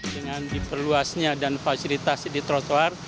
dengan diperluasnya dan fasilitasnya di protowar